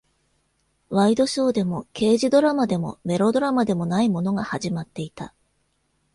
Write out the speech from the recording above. ワイドショーでも、刑事ドラマでも、メロドラマでもないものが始まっていた。